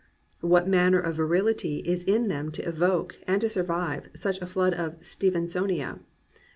'' What manner of viriUty is in them to evoke, and to survive, such a flood of "Steven soniana".'